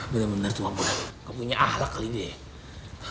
bener bener tuh mbak muda gak punya ahlak kali ini ya